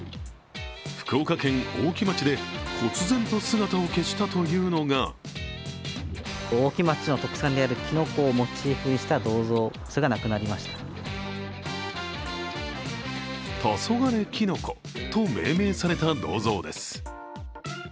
福岡県大木町で、こつ然と姿を消したというのが黄昏きの子と命名された銅像です。